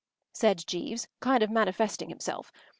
” said Jeeves, kind of manifesting himself.